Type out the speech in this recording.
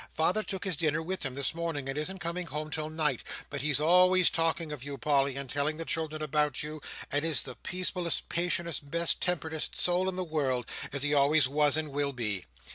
Father took his dinner with him this morning, and isn't coming home till night. But he's always talking of you, Polly, and telling the children about you; and is the peaceablest, patientest, best temperedest soul in the world, as he always was and will be!"